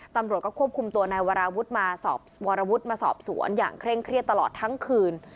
ตำรวจก็ควบคุมตัวนายวรวิทย์มาสอบสวนอย่างเคร่งเครียดตลอดทั้งคืน